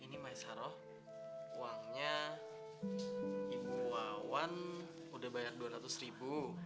ini maisar oh uangnya ibu wawan udah bayar rp dua ratus